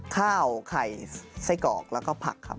ข้าวไข่ไส้กรอกแล้วก็ผักครับ